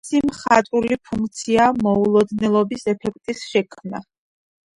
მისი მხატვრული ფუნქციაა მოულოდნელობის ეფექტის შექმნა.